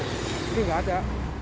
tapi gak ada